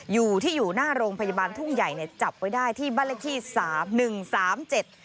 อยู่ที่อยู่หน้าโรงพยาบาลทุ่งใหญ่เนี่ยจับไว้ได้ที่บ้านเลขที่สามหนึ่งสามเจ็ด